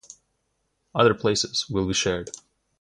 Other places will be shared.